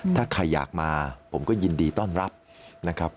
ถ้าใครอยากมาผมก็ยินดีต้อนรับนะครับ